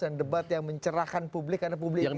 dan debat yang mencerahkan publik karena publik ini tahu